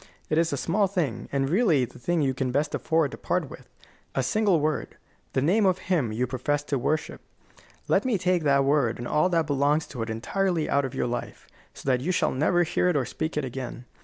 It is a small thing, and really the thing you can best afford to part with: a single word the name of Him you profess to worship. Let me take that word and all that belongs to it entirely out of your life, so that you shall never hear it or speak it again.